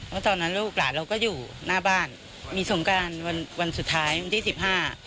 เพราะตอนนั้นลูกหลานเราก็อยู่หน้าบ้านมีสงการวันวันสุดท้ายวันที่สิบห้า